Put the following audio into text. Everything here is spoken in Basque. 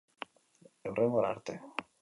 Hurrengora arte!